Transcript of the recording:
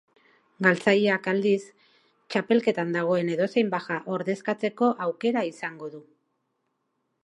Galtzaileak, aldiz, txapelketan dagoen edozein baja ordezkatzeko aukera izango du.